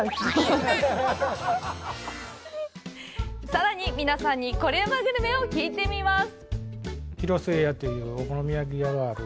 さらに皆さんにコレうまグルメを聞いてみます。